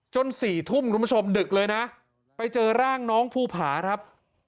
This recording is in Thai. ๔ทุ่มคุณผู้ชมดึกเลยนะไปเจอร่างน้องภูผาครับ